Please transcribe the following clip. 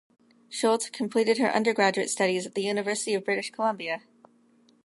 Schulte completed her undergraduate studies at the University of British Columbia.